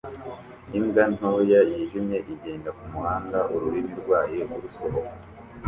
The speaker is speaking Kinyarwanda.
Imbwa ntoya yijimye igenda kumuhanda ururimi rwayo rusohoka